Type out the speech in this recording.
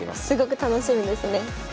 すごく楽しみですね。